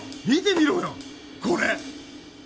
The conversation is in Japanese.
見てみろよこれ。